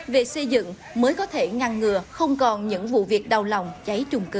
về xây dựng mới có thể ngăn ngừa không còn những vụ việc đau lòng cháy chung cư